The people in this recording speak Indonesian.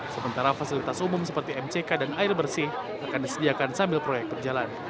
sementara fasilitas umum seperti mck dan air bersih akan disediakan sambil proyek berjalan